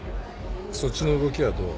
そっちの動きはどう？